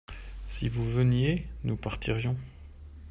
Si vous veniez, nous partirions.